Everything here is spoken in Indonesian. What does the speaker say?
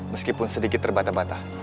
meskipun sedikit terbata bata